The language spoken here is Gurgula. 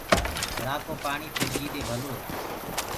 گھڙآ ڪو پآڻي ڦِرجي دي ڀلو هي۔